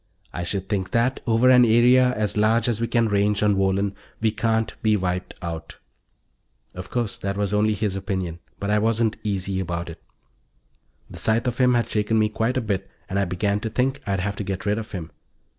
I should think that, over an area as large as we can range on Wohlen, we can't be wiped out." Of course, that was only his opinion; but I wasn't easy about it. The sight of him had shaken me quite a bit and I began to think I'd have to get rid of him.